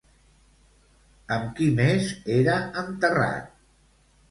Amb qui més era enterrat?